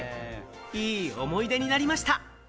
いい思い出になりました。